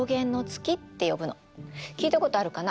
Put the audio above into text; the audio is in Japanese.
聞いたことあるかな。